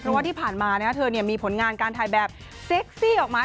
เพราะว่าที่ผ่านมาเธอมีผลงานการถ่ายแบบเซ็กซี่ออกมา